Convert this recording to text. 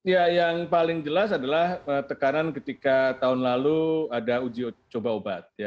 ya yang paling jelas adalah tekanan ketika tahun lalu ada uji coba obat